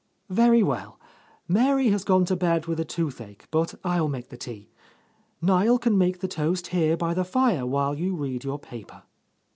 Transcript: "Very well. Mary has gone to bed with a toothache, but I will make the tea. Niel can make the toast here by the fire while you read your paper."